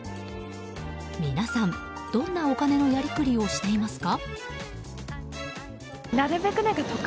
皆さん、どんなお金のやり繰りをしていますか。